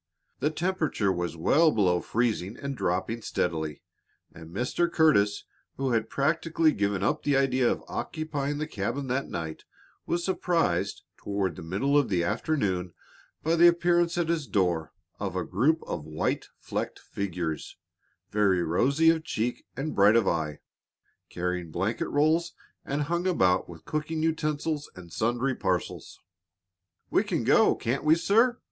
The temperature was well below freezing and dropping steadily, and Mr. Curtis, who had practically given up the idea of occupying the cabin that night, was surprised toward the middle of the afternoon by the appearance at his door of a group of white flecked figures, very rosy of cheek and bright of eye, carrying blanket rolls and hung about with cooking utensils and sundry parcels. "We can go, can't we, sir?"